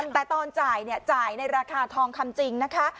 แต่ตอนจ่ายเนี่ยจ่ายในราคาทองคำจริงนะคะ